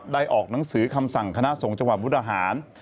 ออกหนังสือคำสั่งคณะสงฆ์จังหวัดมุกดาหาร